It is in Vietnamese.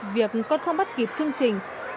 việc con không bắt kịp chương trình